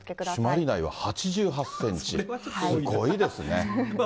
朱鞠内は８８センチ、すごいですね。